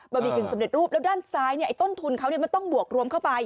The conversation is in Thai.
บะบี่กินสำเร็จรูปแล้วด้านซ้ายเนี่ยไอ้ต้นทุนเขาเนี่ยมันต้องบวกรวมเข้าไป